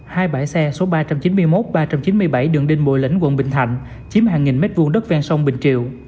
hai bãi xe số ba trăm chín mươi một ba trăm chín mươi bảy đường đinh bộ lĩnh quận bình thạnh chiếm hàng nghìn mét vuông đất ven sông bình triệu